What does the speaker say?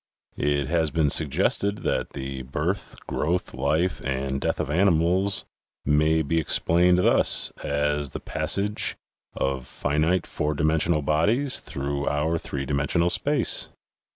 It has been suggested that the birth, growth, life, and death of animals, may be explained thus as the passage of finite four dimensional bodies through our three dimensional space."